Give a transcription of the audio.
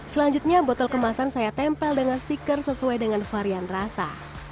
selanjutnya botol kemasan saya tempel dengan stiker sesuai dengan varian rasa